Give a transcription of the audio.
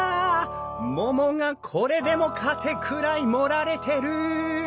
桃がこれでもかってくらい盛られてる！